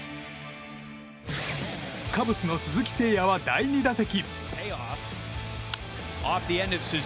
カブスの鈴木誠也は第２打席。